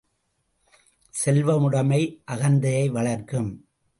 செல்வமுடைமை அகந்தையை வளர்க்கும்.